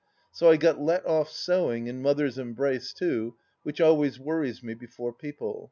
So I got let off sewing and Mother's embrace, too, which always worries me before people.